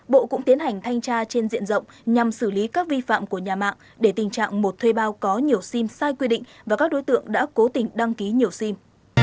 bộ cũng tiến hành thanh tra trên diện rộng nhằm xử lý các vi phạm của nhà mạng để tình trạng một thuê bao có nhiều sim sai quy định và các đối tượng đã cố tình đăng ký nhiều sim